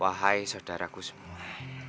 wahai saudara kusuma